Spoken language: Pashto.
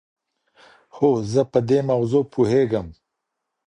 هو زه په دې موضوع پوهېږم.